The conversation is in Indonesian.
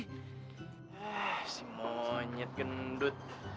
eh si monyet gendut